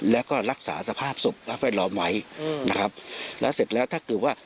แล้วก็รักษาสภาพศพแล้วไปล้อมไว้อืมนะครับแล้วเสร็จแล้วถ้าเกิดว่า